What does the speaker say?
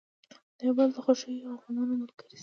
د یو بل د خوښیو او غمونو ملګري شئ.